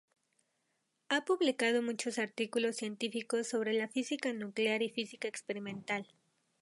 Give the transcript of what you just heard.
Ha publicado muchos artículos científicos sobre física nuclear y física experimental.